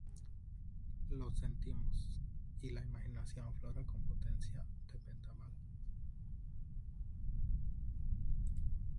Los sentimientos y la imaginación afloran con potencia de vendaval.